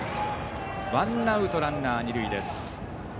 ワンアウトランナー、二塁です。